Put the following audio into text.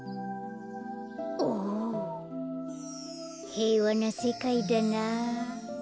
へいわなせかいだな。